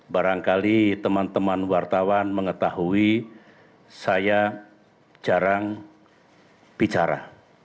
barangkali teman teman wartawan mengetahui saya jarang bicara